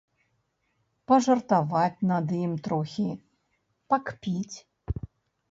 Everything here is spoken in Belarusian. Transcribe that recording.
Пажартаваць над ім трохі, пакпіць.